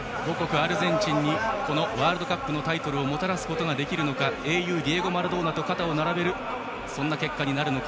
アルゼンチンにこのワールドカップのタイトルをもたらすことができるのか英雄ディエゴ・マラドーナと肩を並べるそんな結果になるか。